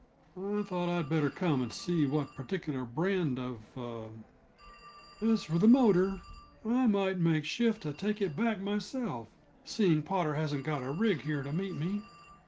I thought I'd better come and see what particular brand of er "As for the motor, I might make shift to take it back myself, seeing Potter hasn't got a rig here to meet me.